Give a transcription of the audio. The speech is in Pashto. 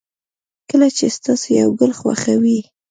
کله چې تاسو یو گل خوښوئ